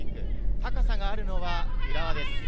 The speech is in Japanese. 高さがあるのは浦和です。